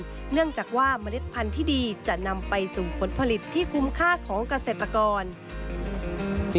เนื่องจากว่าเมล็ดพันธุ์ที่ดีจะนำไปสู่ผลผลิตที่คุ้มค่าของเกษตรกร